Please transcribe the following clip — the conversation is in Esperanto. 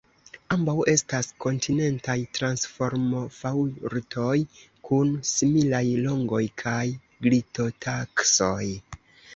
Ambaŭ estas kontinentaj transformofaŭltoj kun similaj longoj kaj glitotaksoj.